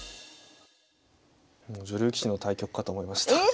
女流棋士の対局かと思いました。